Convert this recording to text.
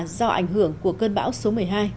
do ảnh hưởng của cơn bão số một mươi hai